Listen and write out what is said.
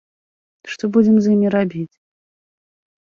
Што будзем з імі рабіць?